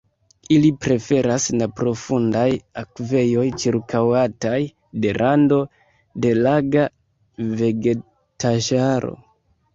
Ili preferas neprofundaj akvejoj ĉirkaŭataj de rando de laga vegetaĵaro.